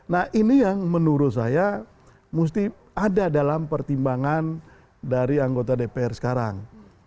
nah ini yang menurut saya mesti ada dalam pertimbangan dari anggota dpr sekarang